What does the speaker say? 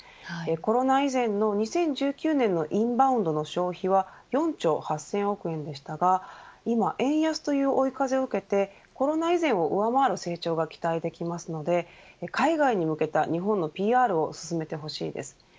コロナ以前の２０１９年のインバウンドの消費は４兆８０００億円でしたが今、円安という追い風を受けてコロナ以前を上回る成長が期待できますので海外に向けた日本のＰＲを進めてほしいです。